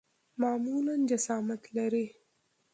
معمولاً جسامت لري.